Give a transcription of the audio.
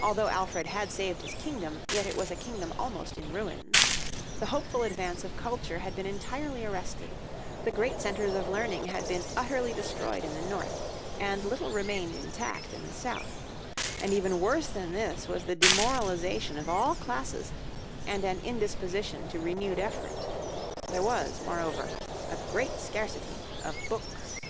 Although Alfred had saved his kingdom, yet it was a kingdom almost in ruins. The hopeful advance of culture had been entirely arrested. The great centres of learning had been utterly destroyed in the north, and little remained intact in the south. And even worse than this was the demoralization of all classes, and an indisposition to renewed effort. There was, moreover, a great scarcity of books.